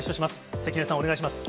関根さん、お願いします。